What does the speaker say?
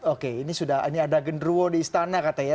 oke ini sudah ada genderuwo di istana kata ya